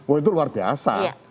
wah itu luar biasa